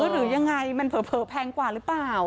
หรือยังไงมันเผลอแพงกว่าหรือเปล่า